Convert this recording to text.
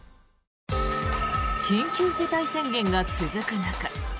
緊急事態宣言が続く中